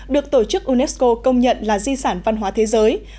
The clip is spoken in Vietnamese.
được tổ chức unesco công nhận là di sản văn hóa thế giới